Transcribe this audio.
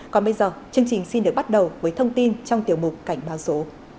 còn bây giờ chương trình xin được bắt đầu với thông tin trong tiểu mục cảnh báo số